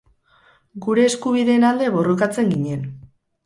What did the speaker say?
gure eskubideen alde borrokatzen ginen